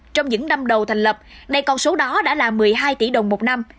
trong những năm đầu thành lập này con số đó đã là một mươi hai tỷ đồng một năm